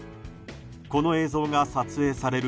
この映像が撮影される